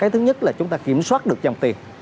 thứ nhất là chúng ta kiểm soát được dòng tiền